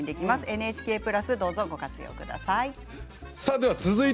ＮＨＫプラスどうぞご活用ください。